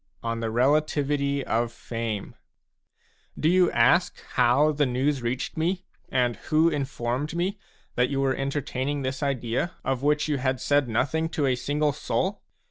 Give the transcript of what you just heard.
ON THE RELATIVITY OF FAME Do you ask how the news reached me, and who informed me, that you were entertaining this idea, of which you had said nothing to a single soul